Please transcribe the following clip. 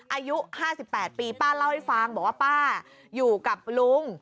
อายุ๕๘ปีป้าเล่าให้ฟังบอกว่าป้าอยู่กับลุง